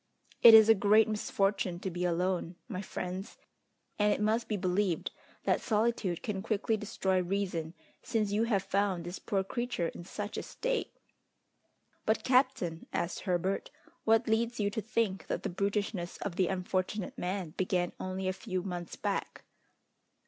It is a great misfortune to be alone, my friends; and it must be believed that solitude can quickly destroy reason, since you have found this poor creature in such a state!" "But, captain," asked Herbert, "what leads you to think that the brutishness of the unfortunate man began only a few months back?"